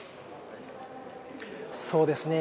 そうですね。